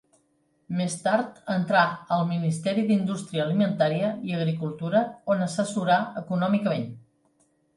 Més tard entrà al Ministeri d'Indústria Alimentària i Agricultura on assessorà econòmicament.